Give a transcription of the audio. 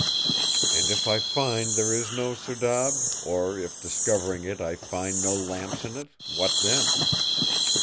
'" "'And if I find there is no serdab; or if discovering it I find no lamps in it, what then?